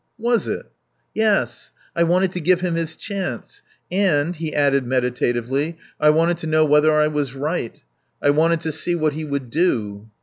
"Was it?" "Yes. I wanted to give him his chance. And," he added meditatively, "I wanted to know whether I was right. I wanted to see what he would do."